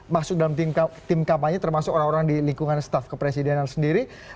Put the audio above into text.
masuk dalam tim kampanye termasuk orang orang di lingkungan staff kepresidenan sendiri